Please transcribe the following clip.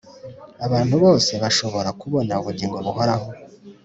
abantu bose bashobora kubona ubugingo buhoraho